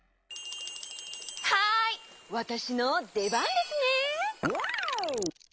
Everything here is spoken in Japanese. はいわたしのでばんですね！